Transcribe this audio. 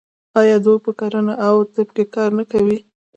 آیا دوی په کرنه او طب کې کار نه کوي؟